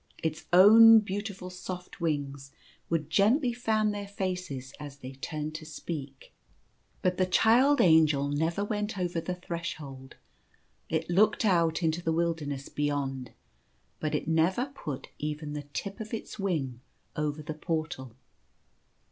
Its own beautiful soft wings would gently fan their faces as they turned to speak. But the Child Angel never went over the threshold. It looked out into the wilderness beyond ; but it never put even the tip of its wing over the Portal.